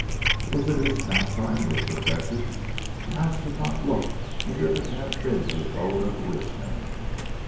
"Was it his pastime or his profession? The house does not look as if it had been the abode of a rich man."